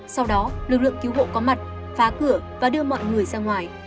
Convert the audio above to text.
sau đó lực lượng cứu hộ có mặt phá cửa và đưa mọi người ra ngoài